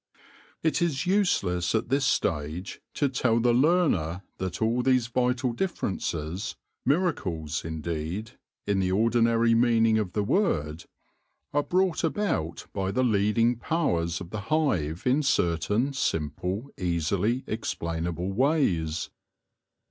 It is useless at this stage to tell the learner that all these vital differences — miracles, indeed, in the ordinary meaning of the word — are brought about by the leading powers of the hive in certain simple, easily explainable ways.